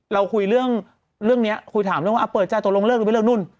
เราคุยเรื่องนี้คุยถามเรื่องว่าเปิดใจตกลงเลิกหรือไม่เลิกนู่น